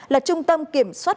là trung tâm kiểm soát